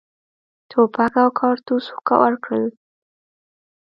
توپک او کارتوس ورکړل.